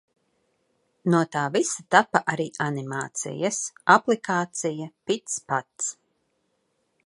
No tā visa tapa arī animācijas! Aplikācija Pic Pac.